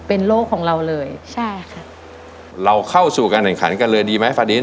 เป็นโลกของเราเลยใช่ค่ะเราเข้าสู่การแข่งขันกันเลยดีไหมฟาดิน